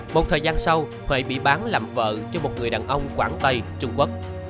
một thời gian sau huệ bị bán làm vợ cho một người đàn ông quảng tây trung quốc